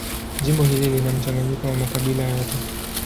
Jimbo hili lina mchanganyiko wa makabila yote.